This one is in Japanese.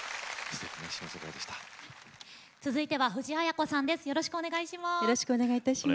続いては藤あや子さんです。